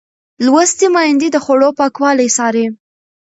لوستې میندې د خوړو پاکوالی څاري.